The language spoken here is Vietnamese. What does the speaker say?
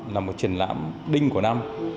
là một truyền lãm đinh của năm